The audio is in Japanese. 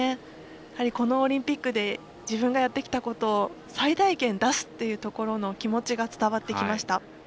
このオリンピックで自分がやってきたことを最大限出すというところの気持ちが伝わってきました。